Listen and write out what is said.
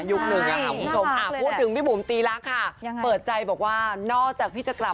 ยุคหนึ่งค่ะพูดถึงพี่บุ๋มตีแล้วค่ะเปิดใจบอกว่านอกจากพิจกรรม